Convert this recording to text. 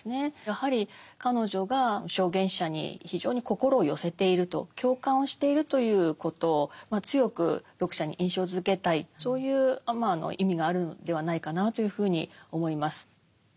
やはり彼女が証言者に非常に心を寄せていると共感をしているということを強く読者に印象づけたいそういう意味があるのではないかなというふうに思います。